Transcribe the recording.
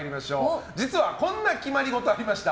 実はこんな決まり事ありました！